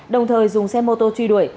đồng thời dùng xe mô tô truy đuổi